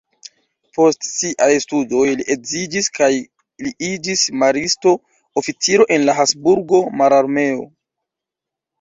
Post siaj studoj li edziĝis kaj li iĝis maristo-oficiro en la Habsburga mararmeo.